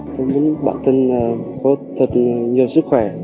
tôi muốn bản thân có thật nhiều sức khỏe